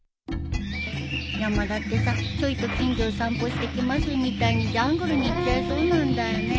山田ってさちょいと近所散歩してきますみたいにジャングルに行っちゃいそうなんだよね。